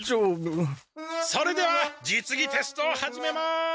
それではじつぎテストを始めます。